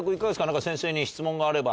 何か先生に質問があれば。